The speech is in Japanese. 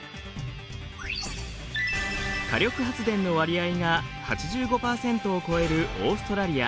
火力発電の割合が８５％を超えるオーストラリア。